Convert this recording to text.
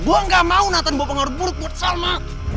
gue gak mau nathan bawa pengaruh buruk buat salma